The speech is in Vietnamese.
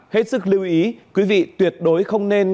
hết sức lưu ý quý vị tuyệt đối không nên